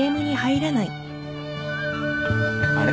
あれ？